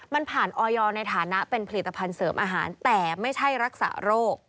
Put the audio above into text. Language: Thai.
มันผ่านออยในฐานะเป็นผลิตภัณฑ์เสริมอาหารแต่ไม่ใช่รักษาโรค